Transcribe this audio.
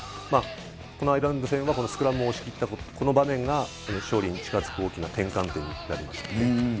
このアイルランド戦はこのスクラムを押し切ったこの場面が、勝利に近づく大きな転換点になりました。